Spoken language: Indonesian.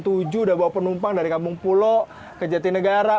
udah bawa penumpang dari kampung pulo ke jati negara